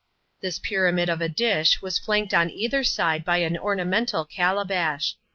This pyramid of a dish was flanked on either side by an ornamental calabash.